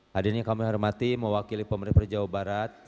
hadirin yang kami hormati mewakili pemerintah jawa barat